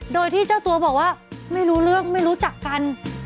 โดยที่เจ้าตัวบอกว่าไม่รู้เรื่องไม่รู้จักกัน